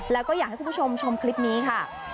แล้วก็อยากให้คุณผู้ชมชมคลิปนี้ค่ะ